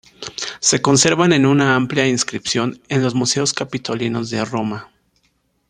Se conservan en una amplia inscripción en los Museos capitolinos de Roma.